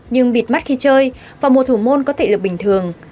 nhưng bịt mắt khi chơi và một thủ môn có thị lực bình thường